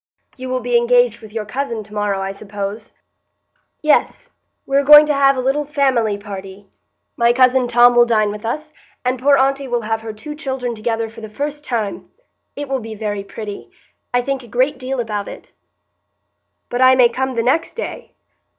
"You will be engaged with your cousin to morrow, I suppose?" "Yes, we are going to have a little family party. My cousin Tom will dine with us; and poor aunty will have her two children together for the first time. It will be very pretty; I think a great deal about it." "But I may come the next day?"